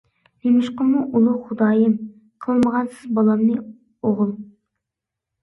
نېمىشقىمۇ ئۇلۇغ خۇدايىم؟ قىلمىغانسىز بالامنى ئوغۇل.